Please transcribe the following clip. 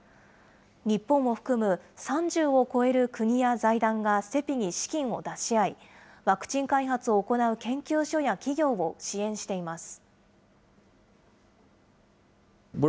日本を含む３０を超える国や財団がＣＥＰＩに資金を出し合い、ワクチン開発を行う研究所や企業を支援しています。